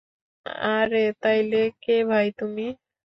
আরে তাইলে, কে ভাই তুমি?